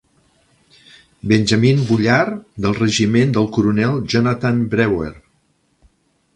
Benjamin Bullard, del regiment del coronel Jonathan Brewer.